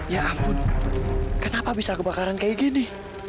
ya ampun kenapa bisa kebakaran kayak gini